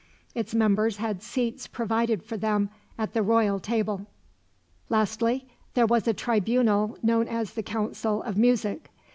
Its members had seats provided for them at the royal table. Lastly, there was a tribunal known as the Council of Music.